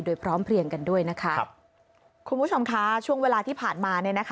โดยพร้อมเพลียงกันด้วยนะคะคุณผู้ชมคะช่วงเวลาที่ผ่านมาเนี่ยนะคะ